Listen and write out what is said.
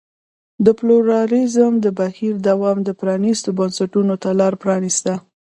د پلورالېزم د بهیر دوام پرانیستو بنسټونو ته لار پرانېسته.